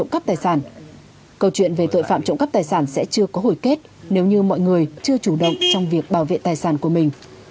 câu chuyện về tội phạm trộm cắp tài sản sẽ chưa có hồi kết nếu như mọi người chưa chủ động trong việc bảo vệ tài sản của mình